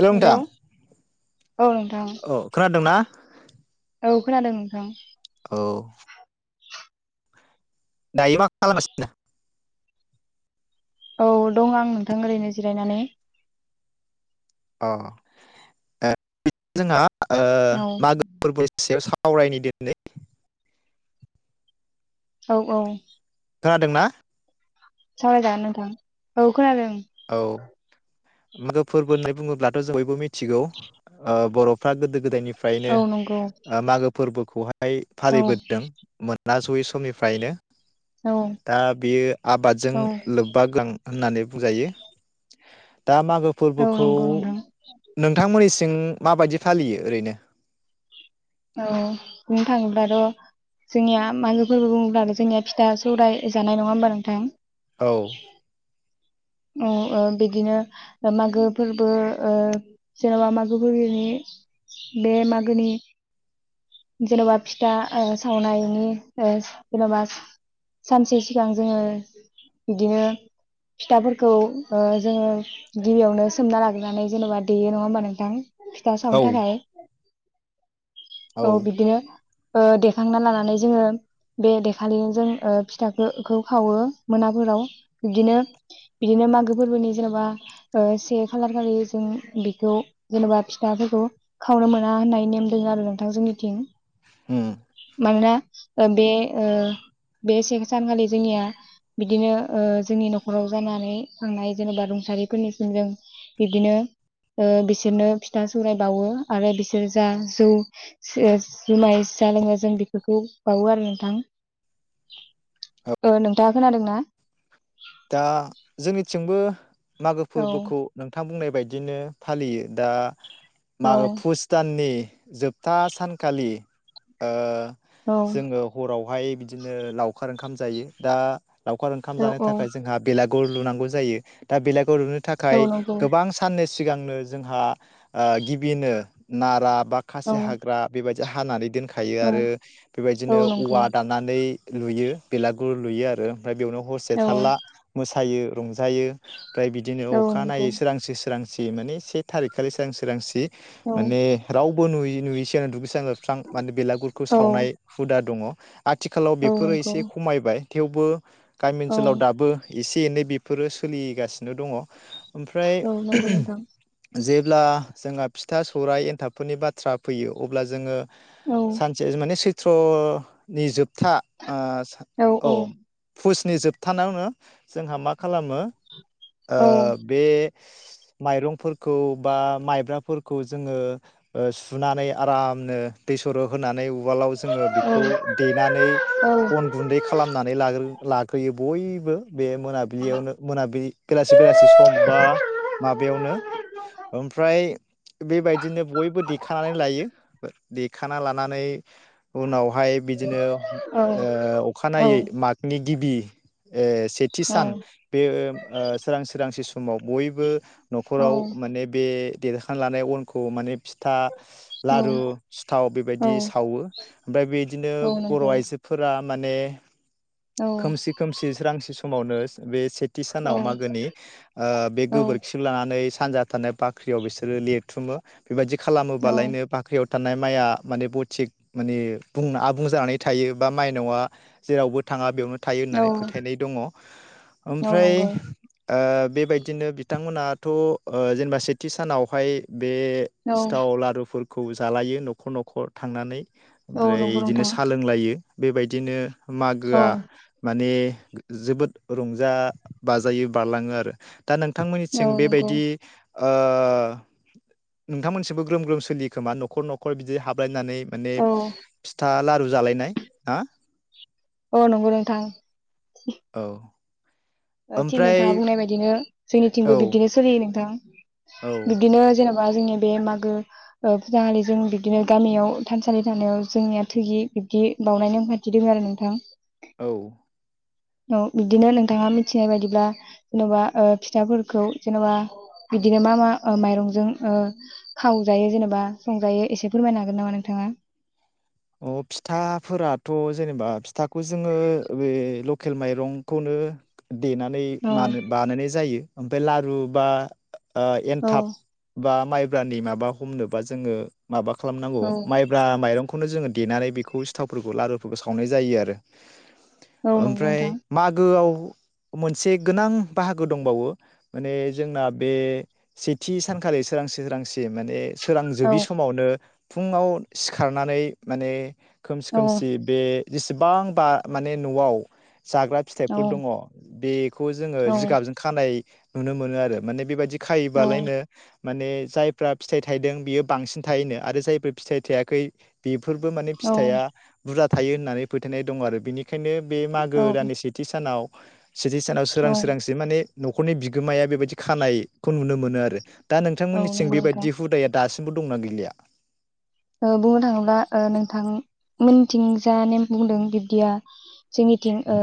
Hello नोंथां। औ नोंथां औ खोनादोंना? औ खोनादों नोंथां। औ दायो मा खालामगासिनो? औ दं आं नोंथां ओरैनो जिरायनानै। अ ओ बि जोंहा ओ औ मागो फोरबोनि सायाव साव सावरायनि दे दिनै औ औ खोनादों ना? सा जानो थां औ खो खोनादों औ मागो फोरबो होननाय बुङोब्लाथ' जों बयबो मिथिगौ ओ बर'फ्रा गोदो गोदायनिफ्रायनो औ नंगौ ओ मागो फोर्बोखौ हायो। फाय औ फालिबोदों मोन। ना सयै समनिफ्रायनो औ दा बेयो आबादजों औ लोब्बा गोनां। होननानै बुंजायो। दा मागो औ फोरबोखौ नंगौ नोंथां नोंथांमोननि। थिं माबायदि फालियो ओरैनो। औ बुंनो थाङोब्लाथ' जोंनिया मागो फोरबो बुङोब्लानो जोंनिया फिथा सौराय जानाय नङा होमबा नोंथां। औ। औ ओं बिदिनो मागो फोरबो ओ जेन'बा मागो फोरबोनि बे मागोनि जेन'बा फिथा ओ सावनायनि ओ जेन'बा सानसे सिगां जोङो बिदिनो फिथाफोर। खौ ओ जोङो गिबियावनो सोमना लाग्रोनानै जेन'बा देयो नङा होमबा नोंथां। फिथा औ सावनो थाखाय। औ बिदिनो। ओ देखांना लानानै जोङो बे देखालिनोजों ओ फिथाखो खौ खावो मोनाफोराव बिदिनो बिदिनो मागो फोरबोनि जेनेबा ओ से खालार खालि जों बेखौ जेनेबा फिथाफोरखौ खावनो मोना होननाय नेम द आरो नोंथां जोंनिथिं हम मानोना बे ओ बे से सानखालि जोंनिया बिदिनो ओ जोंनि न'खराव जानानै थांनाय जेनेबा रुंसारिफोरनिसिम जों बिब्दिनो ओ बिसोरनो फिथा सौराय बावो आरो बिसोर जा जौ से जुमाय। जा लोङो जों बेफोरखौ बावो आरो नोंथां ओ नोंथाङा खोनादों ना। दा जोंनिथिंबो। मागो औ फोरबोखौ नोंथां बुंनाय। बायदिनो फालियो दा। औ मागो फुस दाननि। जोबथा सानखालि ओ। औ जोङो हराव। बेवहाय बिदिनो लावखार ओंखाम जायो दा लावखार ओंखाम औ जानाय। थाखाय औ जोंहा बेलागु। गुर लुनांगौ जायो दा बेलागु। गुर लुनो औ थाखाय नंगौ गोबां साननि सिगांनो। जोंहा गिबिनो नारा। बा औ खासे हाग्रा बेबायदि। हानानै दोन। खायो औ आरो बेबायदिनो औ नंगौ औवा औ दानानानै। लुयो बेलागुर लुयो आरो ओमफ्राय बेयावनो हर। थाला मोसा। मोसायो रंजायो। ओमफ्राय बिदिनो औ अखा नंगौ नायै सोरां सि। सोरांसि माने से थारिखखालि सोरां-सोरांसि। औ माने राव। बो नुयै-नुयै सिगां दुगै स्रांना। सोबस्रां माने बेलागुरखौ औ सावनाय हुदा दङ। आथिखालाव औ बेफोरो नंगौ एसे खमायबाय। थेवबो गामि। औ ओनसोलाव दाबो। एसे एनै बेफोरो सोलिगासिनो दङ। ओमफ्राय औ नंगौ नोंथां जे अब्ला जोंहा फिथा सौराइ एन्थाबफोरनि बाथ्रा फैयो अब्ला जोङो औ सानसेजो माने सो सैत्रनि जोबथा मास औ पुस स्निजोब थानानावनो जोंहा मा खालामो ओ बे माइरंफोरखौ बा माइब्राफोरखौ जोङो सुनानै आरामनो दै सरहो होनानै उवालाव जोङो बेखौ औ देनानै अन गुन्दै खालामनानै लाग्रो लाग्रोयो बयबो बे मोनाबिलियावनो मोनाबिलि बेलासि बेलासि सम बा माबायावनो ओमफ्राय बेबायदिनो बयबो देखानानै लायो दे खाना लानानै उनावहाय बिदिनो ओ अखानायै मागनि गिबि बे सेथि सान बे ओ सोरां सोरांसि समाव बयबो औ नखराव माने बे देरखाना लानाय अनखौ माने फिथा लारु सिथाव औ बेबायदि सावो ओमफ्राय बेदिनो औ बर' नंगौ आइजोफोरा माने औ खोमसि खोमसि सोरांसि समावनो बे सेथ थि औ सानाव मागोनि बे औ गोबोरखि लानानै सानजा थानाय बाख्रियाव बिसोरो लिरथुमो बेबायदि औ खालामोबालायनो बाख्रियाव थानाय माइआ माने बथिक माने बुं आबुं जानानै थायो बा माइनावा जेरावबो थाङा बेयावनो थायो औ होननानै नंगौ फोथायनाय दङ ओमफ्राय ओ बेबायदिनो बिथांमोना थ जेनेबा सेथि सानावहाय बे औ सिथाव लारुफोरख खौ जालायो न'खर न'खर थांनानै औ ओमफ्राय नंगौ इदिनो नोंथां सा लोंलायो बेबायदिनो औ मागोआ माने जोबोद रंजा बाजायो बारलाङो आरो। दा औ नोंथांमोननिथिं नंगौ बेबायदि ओ नोंथांमोनसिबो ग्रोम ग्रोम सोलियोखोमा नखर नखर बिदि हाबलायनानै माने औ फिथा लारु जालायनाय हा अ नंगौ नोंथां। औ। थिग ओमफ्राय नोंथाङा बुंनाय बायदिनो जोंनि औ जिंसों बिदिनो सोलियो नोंथां। औ बिदिनो जेनोबा जोंनि बे मागो फुजाखालि जों बिब्दिनो गामियाव थानसालि थानायाव जोंनिया थैयि बिब्दि बावनाय नेमखाान्थि दोङ आरो नोंथां। औ। औ बिदिनो नोंथाङा मिथिनाय बायदिब्ला जेनबा फिथाफोरखौ जेनबा बिदिनो मा मा माइरंजों ओ खावजायो जेनेबा संजायो एसे फोरमायनो हागोन नामा नोंथाङा? अ फिथाफोराथ जेनेबा फिथाखौ जोङो बे लकेल माइरंखौनो देनानै औ मानो बानायनाय जायो। ओमफफ्राय लारु बा औ एनथाब बा माइ ब्रानि माबा हमनोबा जोङो। माबा खालामनांगौ औ माइब्रा माइरंखौ बेखौनो जोङो देनानै बेखौ सिथावफोरखौ लारुफोरखौ सावनाय जायो आरो। औ नंगौ ओमफ्राय नोंथां मागोआव मोनसे गोनां बाहागो दंबावो माने जोंना बे सेथि सानखालि सोरांसि सोरांसे माने औ सोरांजोबि समावनो फुङाव सिखारनानै माने खोमसि औ खोमसि बे जेसेबांबा माने न'आव जाग्रा औ फिथाइफोर दङ बेखौ जोङो औ जिगाबजों खानाय नुनो मोनो आरो माने बेबादि खायोबालायनो औ माने जायफ्रा फिथाइ थाइदों बियो बांसिन थायोनो आरो जायफ्रा फिथाइ थायाखै बेफोरबो माने फिथाइआ बुरजा थायो होननानै फोथायनाय दं आरो बिनि ओंखायनो बे औ मागो दाननि सेथि सानाव सेथि सानाव सोरां सोरांसि माने न'खरनि बिगोमाया बेबायदि खानायखौ नुनो मोनो आरो। दा नोंथांमोननिथिं नंगौ नोंथां बेबायदि हुदाया दासि बो दंना गैलिया? ओ बुंनो थाङोब्ला ओ नोंथां मोनथिं जा नेम बुंदों बिब्दिया जोंनिथिं ओ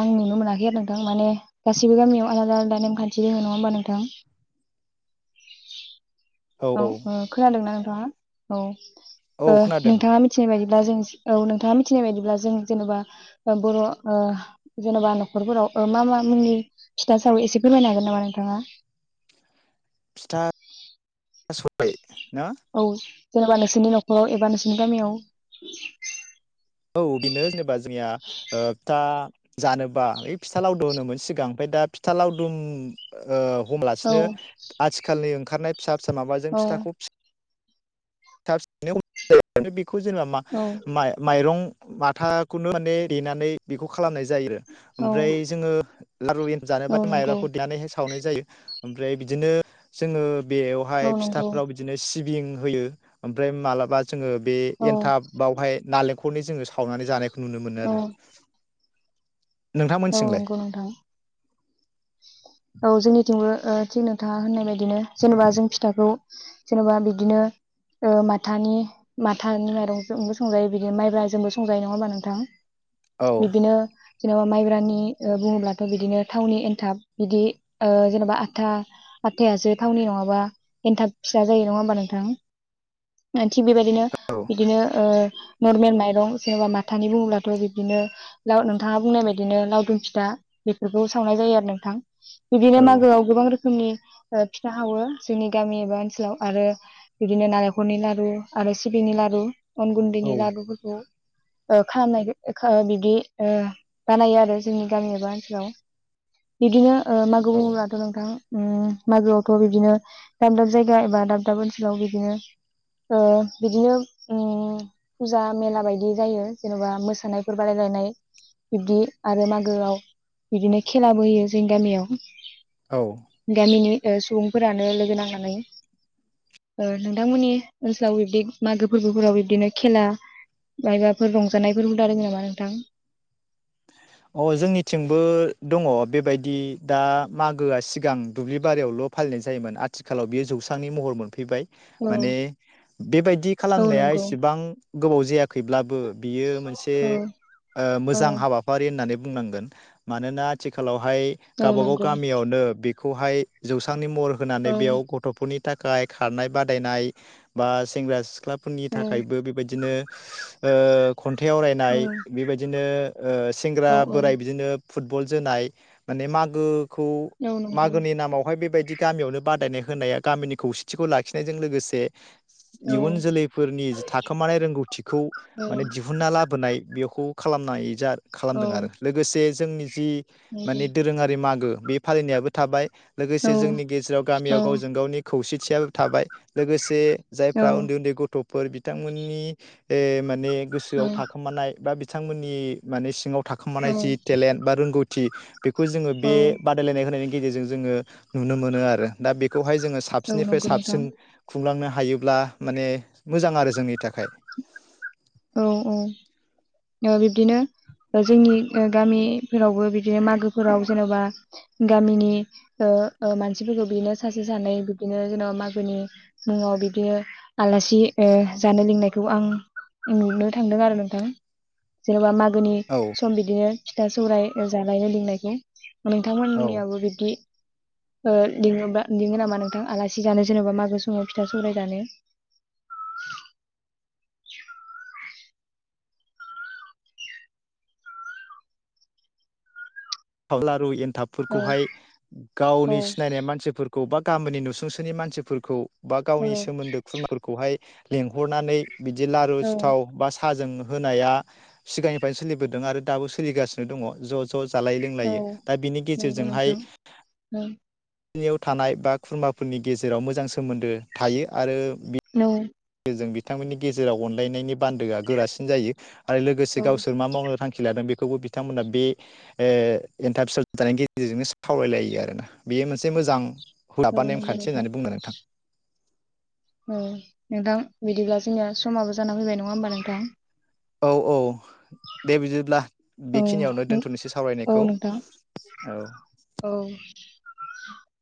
आं नुनो मोनाखै आरो नोंथां। माने गासिबो गामियाव आलादा आलादा नेमखान्थि दोङो नङा होमबा नोंथां? औ ओ खोनादों ना नों आ औ। औ ओ औ खोनादों नोंथाङा मिथिनाय बायदि। दा जों औ नोंथाङा मिथिनाय बायदिब्ला जों जेन'बा ओ बर' ओ जेन'बा न'खरफोराव ओ मा मा मुंनि फिथा सावो एसे फोरमायनो हागोन नामा नोंथाङा? फिथा सबाय ना औ। जेनेबा नोंसोरनि न'खराव एबा नोंसोरनि गामियाव [inaudible] औ बिनो जेनेबा जोंनिया ओ था जानोबा ओइ फिथा लावदु होनोमोन सिगां ओमफाय दा फिथा लावदुम ओ औ हमालासिनो आथिखालनि ओंखारनाय फिसा फिसा माबाजों औ फिथाखौ [unintelligible] खौ जेनेबा मा औ माइ माइरं माथाखौनो माने देनानै बेखौ खा खालामनाय जायो औ ओमफ्राय जोङो लारु एन औ जोबाथ' नंगौ माइरंखौ देनानै सा सावनाय जायो ओमफ्राय बिदिनो जोङो औ बेवहाय नंगौ फिथाफोराव बिदिनो सि सिबिं होयो ओमफाय मालाबा जोङो बे औ एनथाब बावहाय नालेंख खलनि जोङो सावनानै जानायख नुनो मोनो औ आरो। औ नोंथांमोनथिंलाय नंगौ नोंथां औ जोंनिथिंबो ओ थिग नोंथाङा होननाय बाय दिनो जेनेबा जों फिथाखौ जेन'बा बिदिनो ओ माथानि माथानि माइरंजोंबो संजायो बिदिनो माइब्राजोंबो संजायो नङा होमबा नोंथां? औ बिदिनो जेनेबा माइ ब्रानि ओ बुंङोब्लाथ' बिदिनो थावनि एनथाब बिदि ओ जेन'बा आथा आथायासो थावनि नङाबा एनथाब फिसा जायो नङा होमबा नोंथां थिग बेबायदिनो औ बिदिनो ओ नर्मेल माइरं जेनेबा माथानि बुङोब्लाथ' बिदिनो [unintelligible] नोंथाङा बुंनाय बाय दिनो लावदुम फिथा बेफोरखौ सावनाय जायो आरो नोंथां। बिदिनो मागोआव गोबां रो खोमनि ओ फिथा हावो जोंनि गामि एबा ओनसोलाव आरो बिदिनो नारेंखरनि लारु आरो सिबिंनि लारु अन औ गुन्दैनि लारुफोरखौ ओ खामनायखो ओ खा बिदि ओ बानायो आरो जोंनि गामि एबा ओनसोलाव बिदिनो ओ मागो औ बुंङोब्लाथ' नोंथां उम मागोआवथ' बिदिनो दाब दाब जायगा एबा दाब दाब ओनसोलाव बिदिनो ओ बिदिनो उम फुजा मेला बायदि जायो जेनबा मोसानायफोर बादायलायनाय बिब्दि आरो मागोआव बिदिनो खेलाबो होयो जोंनि गामियाव औ गामिनि ओ सुबुंफोरानो लोगो नांनानै ओ नोंथांमोननि ओनसोलाव बिब्दि मागो फोरबोफोराव बिब्दिनो खेला माइबाफोर रंजानायफोरखौ दादों नामा नोंथां? अ जोंनिथिंबो दङ बेबायदि दा मागोआ सिगां दुब्लि बारियावल' फालिनाय जायोमोन आथिखालाव बियो जौस्रांनि महर मोनफैबायव माने औ बेबायदि औ खालामनाया नंगौ इसेबां गोबाव जाया खैब्लाबो बियो मोनसे औ ओ औ मोजां हाबा होननानै बुंनांगोन मानोना आथिखालाव हाय औ गावबा गाव नंगौ गामियावनो बि खौहाय जौस्रांनि महर होनानै औ बेयाव गथ'फोरनि थाखाय खारनाय बादायनाय बा सेंग्रा सिख्ला फोरनि औ थाखायबो बेबायदिनो ओ खन्थाइ आवरायनाय औ बेबायदिनो ओ सेंग्रा औ बोराइ बिदिनो फुटबल जोनाय माने मागो खौ औ नंगौ मागोनि नामावहाय बेबाय दि गामियावनो बादायनाय होनाया गामिनि खौसेथिखौ लाखिनायजों लोगोसे औ इयुन जोलैफोरनि थाखोमानाय रोंगौथिखौ औ माने दिहुनना लाबोनाय बेखौ खालामनाय जा औ खालामदों आरो लोगोसे जोंनि जि माने नंगौ दोरोङारि मागो बे फालिनायाबो थाबाय लोगोसे औ जोंनि गेजेराव गामियाव गावजों औ गावनि खौसे थियाबो थाबाय लोगोसे जायफ्रा उन्दै औ उन्दै गथ' फोर बिथांमोननि ए माने गोसोआव औ थाखोमानाय बा बिथांमोननि माने सिङाव औ थाखोमानाय जि टेलेन्ट बा रोंगौ थि बेखौ जोङो औ बे बादायलायनाय होनायनि गेजेरजों जोङो नुनो मोनो आरो दा बे खौहाय जोङो औ साबसिननिफ्राय नंगौ नोंथां साबसिन खुंलांनो हा हायोब्ला माने मोजां आरो जोंनि थाखाय औ औ ओ बिब्दिनो जोंनि गामिफोरावबो बिदिनो मागोफोराव जेन'बा गामिनि ओ ओ मानसिफोरखौ बिदिनो सासे सानै बिब्दिनो जेनेबा मागोनि मुङाव बिब्दिनो आलासि ओ जानो लेंनायखौ आं नुनो थांदों आरो नोंथां जेन'बा माग गोनि औ सम बिदिनो फिथा सौराय जालायनो लेंनायखौ औ नोंथांमोननियाबो बिदि ओ लिङोबा लिङो नामा नोंथां? आलासि जानो जेनेबा मागो समाव फिथा सौराय जानो? थाव लारु एन औ थाबफोरखौहाय गावनि औ सिनायनाय मानसिफोरखौ बा गामिनि नुसुंसोनि मानसिफोरखौ बा गावनि सोमोन्दो खुरमाफोरखौहाय लेंहरनानै बिदि लारु औ औ सिथाव बा साहाजों - होनाया सिगांनिफ्रायनो सोलिबोदों आरो दाबो सोलिगासिनो दङ ज' ज' जालाय औ लायो दा बिनि नंगौ गेजेरजोंहाय नोंथां औ नियाव थानाय बा खुरमाफोरनि गेजेराव मोजां सोमोन्दो थायो आरो औ। जों बिथांमोननि गेजेराव अनलायनायनि बान्दोआ गोरासिन जायो । आरो लोगोसे औ गावसोर मा मावनो थांखि लादों बे खौबो बिथांमोना बे ओ एन्थाब फिसा जानायनि गेजेरजोंनो सावरायलायो आरोना बेयो मोनसे मोजां औ [unintelligible] नंगौ नेमखान्थि नोंथां होननानै बुंनो नोंथां औ नोंथां बिदिब्ला जोंनिया समाबो जाना फैबाय नङा होमबा नोंथां औ औ दे बिदिब्ला औ बेखिनियावनो दोनथ'नोसै औ सावरायनायखौ नोंथां औ औ [unintelligible]